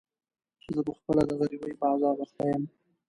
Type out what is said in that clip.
زه په خپله د غريبۍ په عذاب اخته يم.